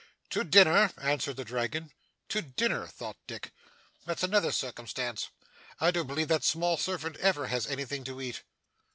'To dinner,' answered the dragon. 'To dinner!' thought Dick, 'that's another circumstance. I don't believe that small servant ever has anything to eat.